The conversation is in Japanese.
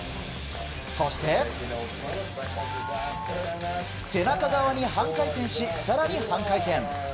そして、背中側に半回転し更に半回転。